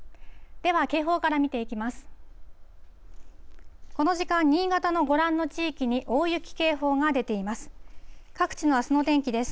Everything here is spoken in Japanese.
では警報から見ていきます。